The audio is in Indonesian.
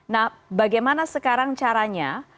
nah bagaimana sekarang caranya